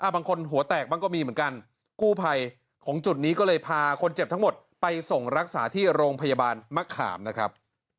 บางคนหัวแตกบ้างก็มีเหมือนกันกู้ภัยของจุดนี้ก็เลยพาคนเจ็บทั้งหมดไปส่งรักษาที่โรงพยาบาลมะขามนะครับ